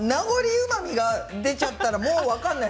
うまみが出てしまったらもう分からない。